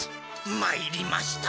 まいりました。